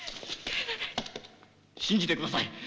信じてください！